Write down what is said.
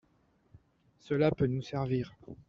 Cela peut nous servir…